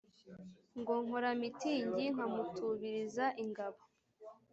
Ngo nkora miitingi nkamutubiriza ingabo